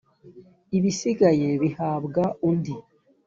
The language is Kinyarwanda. ibisigaye bihabwa undi